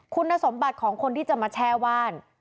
คุณสมบัติของคนที่จะมาแช่ว่าน